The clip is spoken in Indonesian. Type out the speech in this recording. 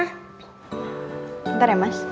bentar ya mas